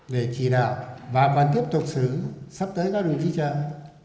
để chỉ đạo và quan tiếp thuộc xứ sắp tới các đường trí trang